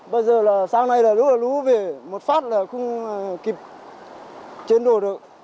bây giờ là sáng nay lũ về một phát là không kịp chuyển đổi được